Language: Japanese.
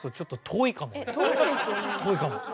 遠いかも。